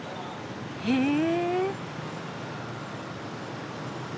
へえ。